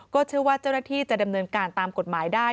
เชื่อว่าเจ้าหน้าที่จะดำเนินการตามกฎหมายได้